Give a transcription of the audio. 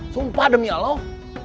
sumpah demi allah